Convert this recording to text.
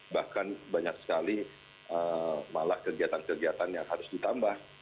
sekali sekali malah kegiatan kegiatan yang harus ditambah